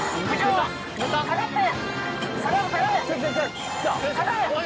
下がって！